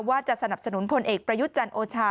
สนับสนุนพลเอกประยุทธ์จันทร์โอชา